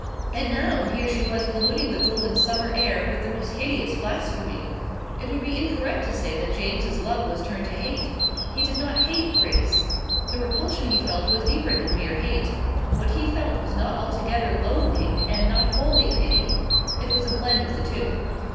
And now here she was polluting the golden summer air with the most hideous blasphemy. It would be incorrect to say that James's love was turned to hate. He did not hate Grace. The repulsion he felt was deeper than mere hate. What he felt was not altogether loathing and not wholly pity. It was a blend of the two.